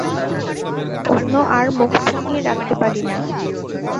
অন্য আর মুখভঙ্গি রাখতে পারি না।